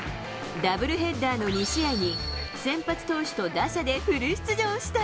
ダブルヘッダーの２試合に、先発投手と打者でフル出場した。